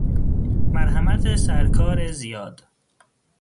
مرحمت سرکار زیاد!